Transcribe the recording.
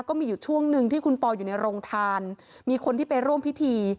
ก็มีอยู่ช่วงหนึ่งที่คุณปออยู่ในโรงทานมีคนที่ไปร่วมพิธี